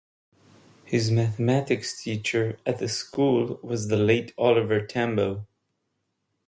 His Mathematics teacher at the school was the late Oliver Tambo.